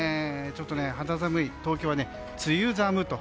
ちょっと肌寒い東京は梅雨寒と。